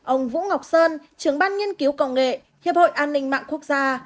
ông vũ ngọc sơn trưởng ban nghiên cứu công nghệ hiệp hội an ninh mạng quốc gia